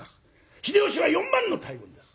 秀吉は４万の大軍です。